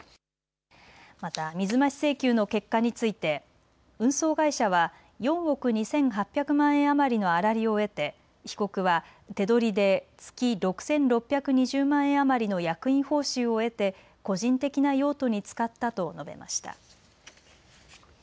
また水増し請求の結果について運送会社は４億２８００万円余りの粗利を得て被告は手取りで月６６２０万円余りの役員報酬を得て個人的な用途に使ったと述べました。